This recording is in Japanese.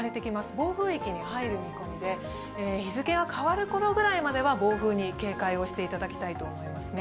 暴風域に入る見込みで、日付が変わるぐらいまでは暴風に警戒をしていただきたいと思いますね。